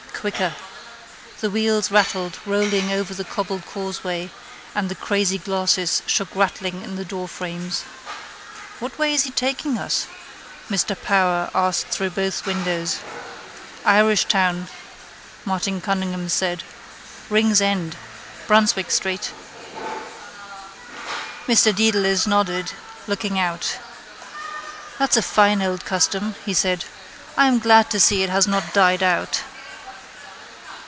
Quicker. The wheels rattled rolling over the cobbled causeway and the crazy glasses shook rattling in the doorframes. —What way is he taking us? Mr Power asked through both windows. —Irishtown, Martin Cunningham said. Ringsend. Brunswick street. Mr Dedalus nodded, looking out. —That's a fine old custom, he said. I am glad to see it has not died out.